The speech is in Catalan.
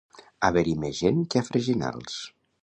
Haver-hi més gent que a Freginals.